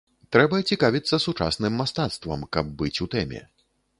Трэба цікавіцца сучасным мастацтвам, каб быць у тэме.